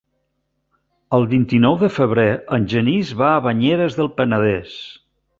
El vint-i-nou de febrer en Genís va a Banyeres del Penedès.